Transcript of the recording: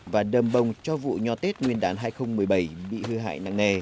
và đầm bông cho vụ nho tết nguyên đán hai nghìn một mươi bảy bị hư hại nặng nề